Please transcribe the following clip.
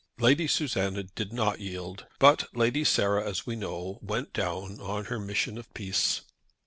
Lady Susanna did not yield, but Lady Sarah, as we know, went down on her mission of peace.